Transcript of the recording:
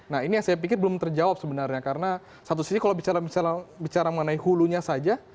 nah ini yang saya pikir belum terjawab sebenarnya karena satu sisi kalau bicara mengenai hulunya saja